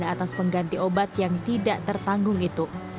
atas pengganti obat yang tidak tertanggung itu